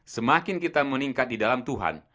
semakin kita meningkat di dalam tuhan